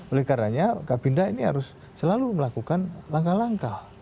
oleh karena kapindah ini harus selalu melakukan langkah langkah